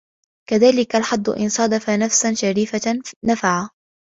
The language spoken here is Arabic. كَذَلِكَ الْحَظُّ إنْ صَادَفَ نَفْسًا شَرِيفَةً نَفَعَ